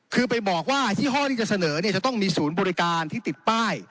คือไปบอกว่ายี่ห้อที่จะเสนอเนี่ยจะต้องมีศูนย์บริการที่ติดป้าย